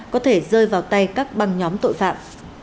có thể rơi vào tay các băng nhóm tội phạm